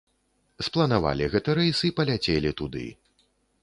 Спланавалі гэты рэйс і паляцелі туды.